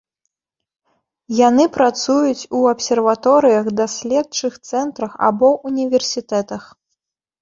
Яны працуюць у абсерваторыях, даследчых цэнтрах або ўніверсітэтах.